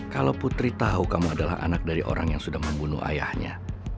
kalau putri tahu kamu adalah anak dari orang yang sudah membunuh ayahnya